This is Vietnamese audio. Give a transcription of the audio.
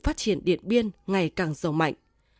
phát triển điện biên ngày càng giàu mạnh